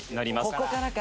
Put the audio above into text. うわここからか。